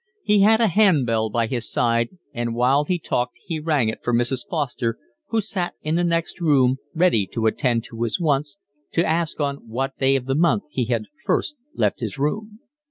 He had a hand bell by his side and while he talked he rang it for Mrs. Foster, who sat in the next room ready to attend to his wants, to ask on what day of the month he had first left his room.